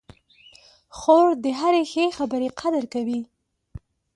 خور د هرې ښې خبرې قدر کوي.